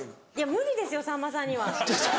無理ですよさんまさんには。